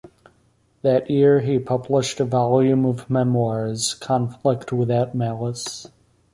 That year he published a volume of memoirs, "Conflict Without Malice".